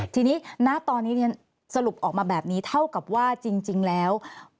ทีนี้ณตอนนี้เรียนสรุปออกมาแบบนี้เท่ากับว่าจริงแล้ว